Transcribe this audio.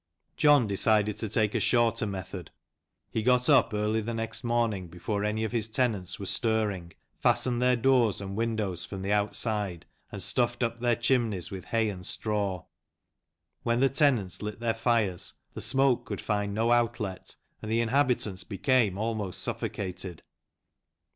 John decided to take a shorter method. He got up early the next morning, before any of his tenants were stirring, fastened their doors and windows from the outside, and stuffed up their chimneys with hay and straw. When the tenants lit their fires the smoke could find no outlet, and the inhabitants became almost suffocated.